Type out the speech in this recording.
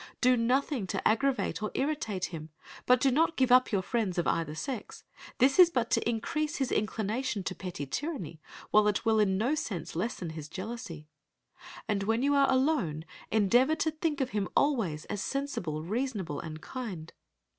Do nothing to aggravate or irritate him, but do not give up your friends of either sex; this is but to increase his inclination to petty tyranny, while it will in no sense lessen his jealousy. And when you are alone, endeavour to think of him always as sensible, reasonable, and kind.